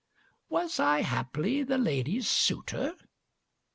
Was I haply the ladyŌĆÖs suitor?